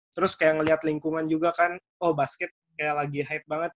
terus kayak ngeliat lingkungan juga kan oh basket kayak lagi hype banget